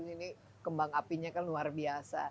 ini kembang apinya kan luar biasa